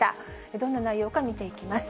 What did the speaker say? どんな内容か見ていきます。